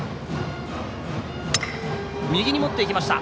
右に持っていきました。